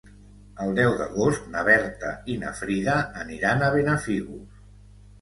El deu d'agost na Berta i na Frida aniran a Benafigos.